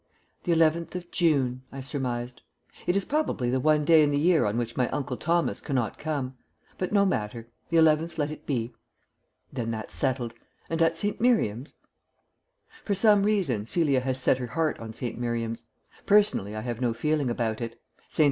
"The eleventh of June," I surmised. "It is probably the one day in the year on which my Uncle Thomas cannot come. But no matter. The eleventh let it be." "Then that's settled. And at St. Miriam's?" For some reason Celia has set her heart on St. Miriam's. Personally I have no feeling about it. St.